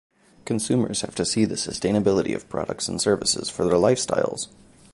Consumers have to see the suitability of products and services for their lifestyles.